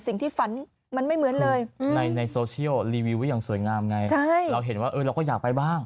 ฝันมันไม่เหมือนเลยในโซเชียลรีวิวไว้อย่างสวยงามไงเราเห็นว่าเราก็อยากไปบ้าง